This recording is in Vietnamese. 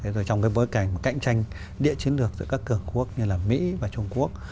trong bối cảnh cạnh tranh địa chiến lược giữa các cường quốc như mỹ và trung quốc